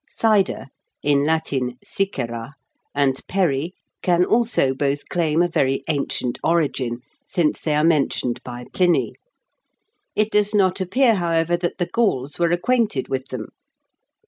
] Cider (in Latin sicera) and perry can also both claim a very ancient origin, since they are mentioned by Pliny. It does not appear, however, that the Gauls were acquainted with them.